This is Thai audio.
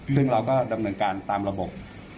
ซึ่งเราก็ดำเนินการตามระบบ